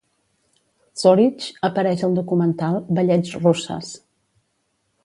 Zoritch apareix al documental "Ballets Russes".